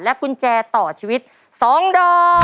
และกุญแจต่อชีวิต๒ด้อ